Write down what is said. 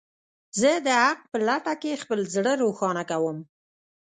زه د حق په لټه کې خپل زړه روښانه کوم.